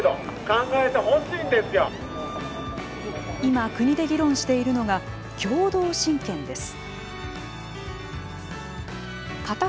今、国で議論しているのが「共同親権」です。